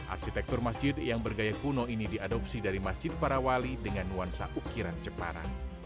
arsitektur masjid yang bergaya kuno ini diadopsi dari masjid para wali dengan nuansa ukiran ceparan